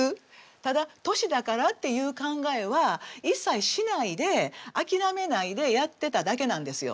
ただ「年だから」っていう考えは一切しないで諦めないでやってただけなんですよ。